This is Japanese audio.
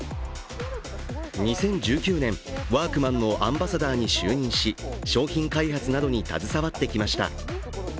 ２０１９年、ワークマンのアンバサダーに就任し商品開発などに携わってきました。